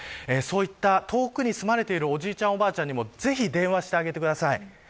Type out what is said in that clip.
そういった遠くに住まれているおじいちゃん、おばあちゃんにもぜひ電話してあげてください。